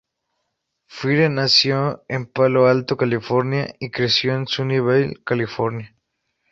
Fire nació en Palo Alto, California y creció en Sunnyvale, California.